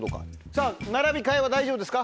さぁ並び替えは大丈夫ですか？